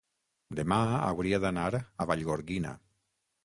demà hauria d'anar a Vallgorguina.